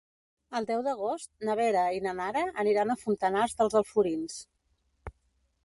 El deu d'agost na Vera i na Nara aniran a Fontanars dels Alforins.